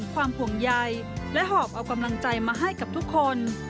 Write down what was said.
ความห่วงใยและหอบเอากำลังใจมาให้กับทุกคน